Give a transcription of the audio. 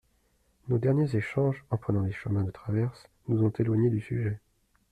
Nos derniers échanges, en prenant des chemins de traverse, nous ont éloignés du sujet.